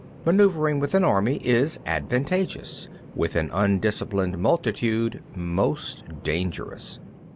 5. Manœuvering with an army is advantageous; with an undisciplined multitude, most dangerous.